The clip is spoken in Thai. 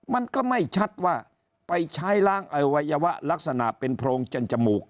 มันก็ไม่ชัดว่าไปใช้ล้างอวัยวะลักษณะเป็นโพรงจันจมูก